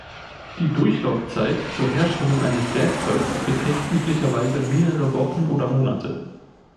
Die Durchlaufzeit zur Herstellung eines Werkzeugs beträgt üblicherweise mehrere Wochen oder Monate.